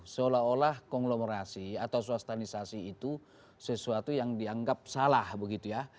seolah olah konglomerasi atau swastanisasi itu sesuatu yang dianggap salah begitu ya